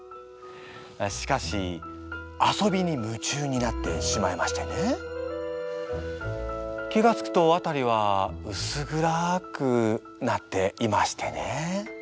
しかし遊びに夢中になってしまいましてね気がつくとあたりはうす暗くなっていましてね